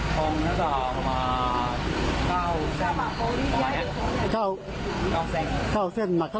เขาก็กลัวครับก็เลยหยิบให้มาเลย